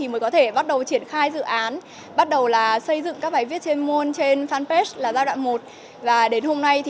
một dự án bảo vệ môi trường được xây dựng bởi một nhóm học sinh lớp lý một